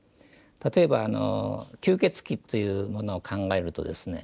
例えば吸血鬼というものを考えるとですね